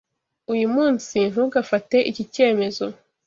Uyu munsi ntugafate iki cyemezo.